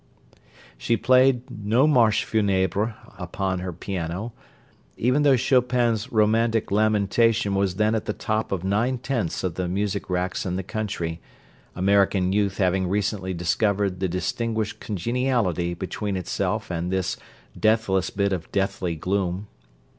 She played no marche funebre upon her piano, even though Chopin's romantic lamentation was then at the top of nine tenths of the music racks in the country, American youth having recently discovered the distinguished congeniality between itself and this deathless bit of deathly gloom.